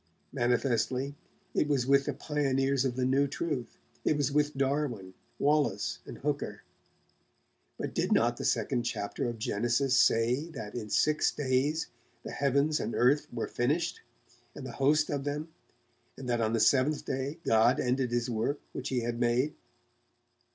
Manifestly, it was with the pioneers of the new truth, it was with Darwin, Wallace and Hooker. But did not the second chapter of 'Genesis' say that in six days the heavens and earth were finished, and the host of them, and that on the seventh day God ended his work which he had made?